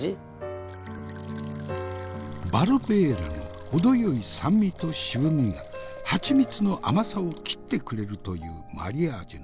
バルベーラの程よい酸味と渋みがハチミツの甘さを切ってくれるというマリアージュなんじゃな。